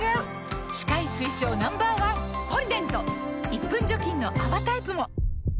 １分除菌の泡タイプも！